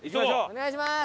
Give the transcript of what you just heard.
お願いします。